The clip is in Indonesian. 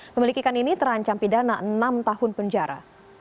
pemilik ikan ini terancam pidana enam tahun penjara